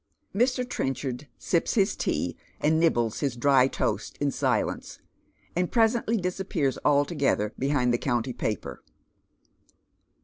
Mr. Trenchard sips his tea and nibbles his dry toast in silence, and presently disappears altogetlier behind the county paper.